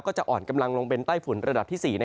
ก็จะอ่อนกำลังลงเป็นใต้ฝุ่นระดับที่๔